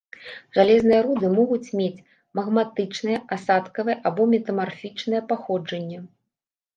Жалезныя руды могуць мець магматычнае, асадкавае або метамарфічнае паходжанне.